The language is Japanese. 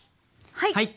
はい。